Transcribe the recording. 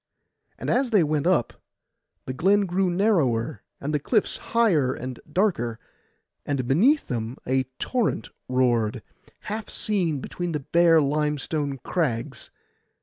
And as they went up, the glen grew narrower, and the cliffs higher and darker, and beneath them a torrent roared, half seen between bare limestone crags.